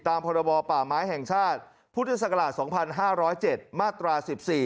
ตามพบป่าไม้แห่งชาติพศ๒๕๐๗มาตรา๑๔